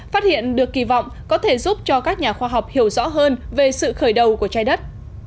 phát hiện được kỳ vọng có thể giúp cho các nhà khoa học hiểu rõ hơn về sự khởi đầu của trái đất